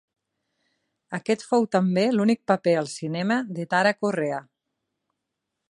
Aquest fou també l'únic paper al cinema de Tara Correa.